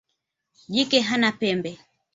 Jike hana pembe.